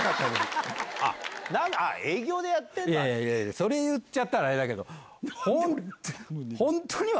それ言っちゃったらあれだけど。